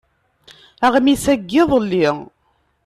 Aɣmis-a n yiḍelli.